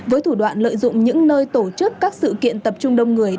với thủ đoạn lợi dụng những nơi tổ chức các sự kiện tập trung đông người